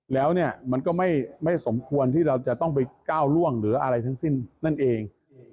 แล้วเนี่ยมันก็ไม่สมควรที่เราจะต้องไปก้าวล่วงหรืออะไรทั้งสิ้นนั่นเอง